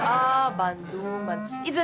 ah bandung bandung